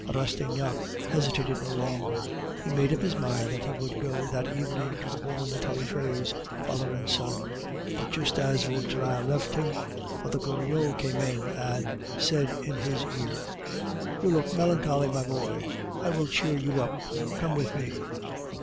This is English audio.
Rastignac hesitated no longer. He made up his mind that he would go that evening to warn the Taillefers, father and son. But just as Vautrin left him, Father Goriot came up and said in his ear, "You look melancholy, my boy; I will cheer you up. Come with me."